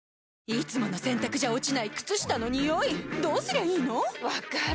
いつもの洗たくじゃ落ちない靴下のニオイどうすりゃいいの⁉分かる。